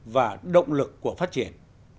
và động lực của phát triển